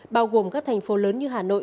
bao gồm các thành phố lớn như hà nội